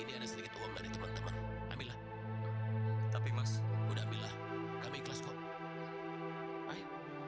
buat kebuning hai